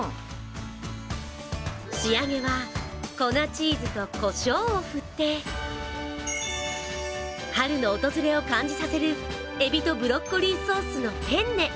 仕上げは粉チーズとこしょうを振って、春の訪れを感じさせるエビとブロッコリーソースのペンネ。